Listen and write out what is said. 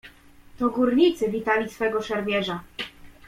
"To górnicy witali swego szermierza."